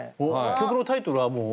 曲のタイトルはもう？